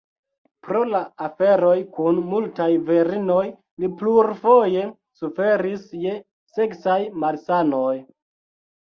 Pro la aferoj kun multaj virinoj, li plurfoje suferis je seksaj malsanoj.